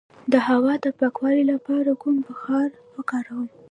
د هوا د پاکوالي لپاره کوم بخار وکاروم؟